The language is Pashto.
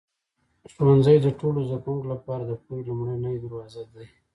ښوونځی د ټولو زده کوونکو لپاره د پوهې لومړنی دروازه دی.